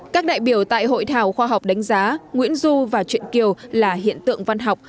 các đại biểu tại hội thảo khoa học đánh giá nguyễn du và truyện kiều là hiện tượng văn học